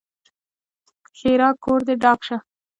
ښېرا: کور دې ډاک شه!